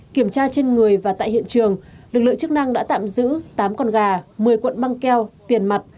kiểm tra trên người và tại hiện trường lực lượng chức năng đã tạm giữ tám con gà một mươi cuộn băng keo tiền mặt